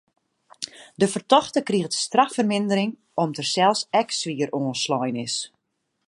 De fertochte kriget straffermindering om't er sels ek swier oanslein is.